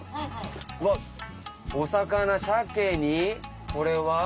うわっお魚シャケにこれは。